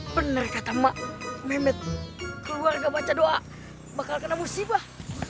bener kata mak memet keluar gak baca doa bakal kena busibah